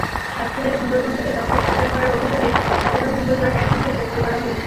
সাতক্ষীরায় সুন্দরবন থেকে তক্ষক পাচার করার অভিযোগে গতকাল মঙ্গলবার একজনকে গ্রেপ্তার করা হয়েছে।